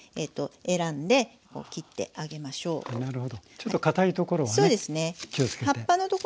ちょっとかたいところはね気を付けて。